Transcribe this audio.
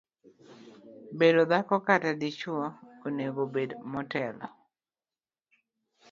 bedo dhako kata dichuo onego bed motelo